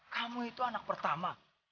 kamu itu anak pertama